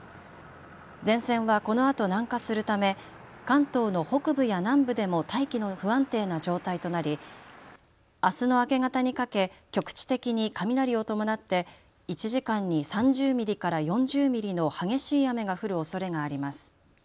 前線はこのあと南下するため関東の北部や南部でも大気の不安定な状態となりあすの明け方にかけ局地的に雷を伴って１時間に３０ミリから４０ミリの激しい雨が降るおそれがあります。